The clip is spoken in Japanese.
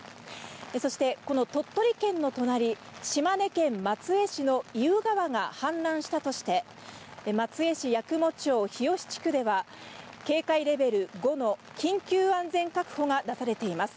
そしてこの鳥取県の隣、島根県松江市の意宇川が氾濫したということで、松江市八雲町日吉地区では、警戒レベル５の緊急安全確保が出されています。